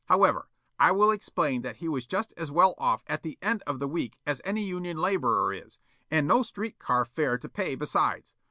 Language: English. However, I will explain that he was just as well off at the end of the week as any union laborer is, and no street car fare to pay besides.